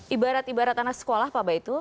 ibarat ibarat anak sekolah pak baitul